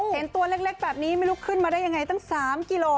เห็นตัวเล็กแบบนี้ไม่รู้ขึ้นมาได้ยังไงตั้ง๓กิโล